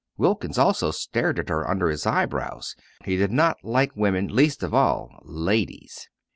Wilkins also stared at her under his eyebrows. He did not like women least of all, ladies.